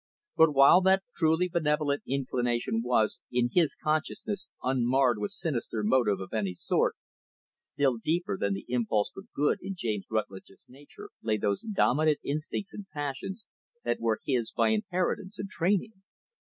But while that truly benevolent inclination was, in his consciousness, unmarred with sinister motive of any sort; still, deeper than the impulse for good in James Rutlidge's nature lay those dominant instincts and passions that were his by inheritance and training.